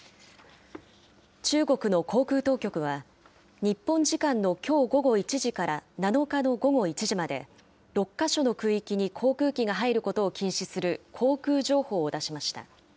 中国の航空当局は、日本時間のきょう午後１時から、７日の午後１時まで、６か所の空域に航空機が入ることを禁止する航空情報を出しました。